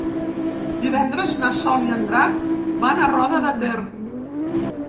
Divendres na Sol i en Drac van a Roda de Ter.